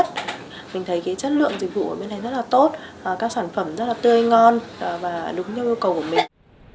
mình thấy cái chất lượng dịch vụ ở bên này rất là tốt các sản phẩm rất là tươi ngon và đúng như yêu cầu của mình